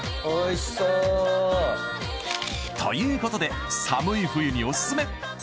おいしそう！ということで寒い冬におすすめ！